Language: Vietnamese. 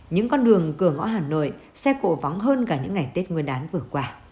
những con đường cửa ngõ hà nội xe cộ vắng hơn cả những ngày tết nguyên đán vừa qua